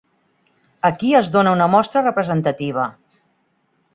Aquí es dona una mostra representativa.